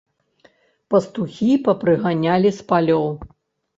Пастухi папрыганялi з палёў.